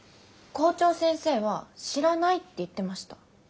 校長先生は「知らない」って言ってました。